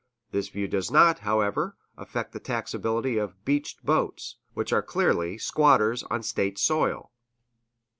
This view does not, however, affect the taxability of "beached" boats, which are clearly squatters on State soil.